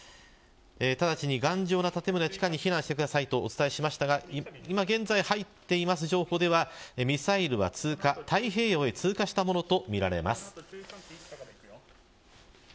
直ちに頑丈な建物や地下に避難してくださいとお伝えしましたが今、現在入っている情報ではミサイルは太平洋へ通過したものとみられます。